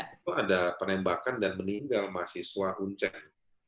itu ada penembakan dan meninggal mahasiswa unceng